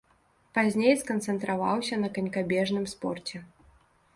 Пазней сканцэнтраваўся на канькабежным спорце.